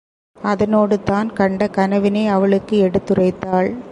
அதனோடு தான் கண்ட கனவினை அவளுக்கு எடுத்து உரைத்தாள்.